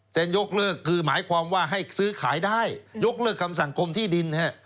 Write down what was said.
ยกเลิกคือหมายความว่าให้ซื้อขายได้ยกเลิกคำสั่งกรมที่ดิน